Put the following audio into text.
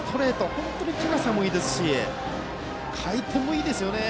本当に高さもいいですし回転もいいですよね。